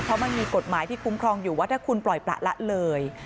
เพราะมันมีกฎหมายที่คุ้มครองอยู่ว่าถ้าคุณปล่อยประละเลย